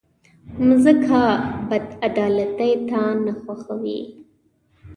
مځکه بېعدالتۍ ته نه خوښېږي.